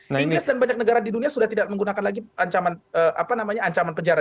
inggris dan banyak negara di dunia sudah tidak menggunakan lagi ancaman penjara